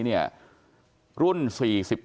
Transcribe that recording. เมื่อวานนี้เนี่ย